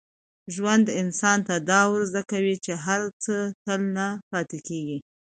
ژوند انسان ته دا ور زده کوي چي هر څه تل نه پاتې کېږي.